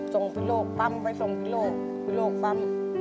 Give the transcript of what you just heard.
ส่งพิโรคปั๊มไปส่งพิโรคพิโรคปั๊ม